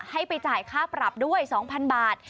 ให้ไปจ่ายค่าปรับด้วย๒๐๐๐บาท